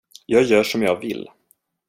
Jag gör som jag vill.